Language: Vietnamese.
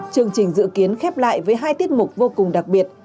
chương trình dự kiến khép lại với hai tiết mục vô cùng đặc biệt